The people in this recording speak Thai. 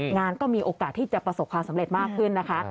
งานก็มีโอกาสที่จะประสบความสำเร็จมากขึ้นนะคะ